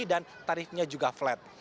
dan tarifnya juga flat